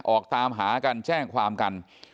ออกตามหากันแจ้งความกัน